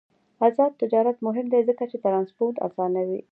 آزاد تجارت مهم دی ځکه چې ترانسپورت اسانوي.